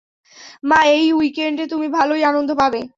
মা, এই উইকেন্ডে তুমি ভালোই আনন্দ পাবে।